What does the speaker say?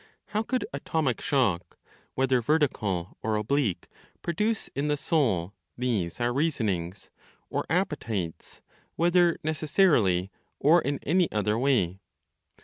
How could atomic shock, whether vertical or oblique, produce in the soul these our reasonings, or appetites, whether necessarily, or in any other way?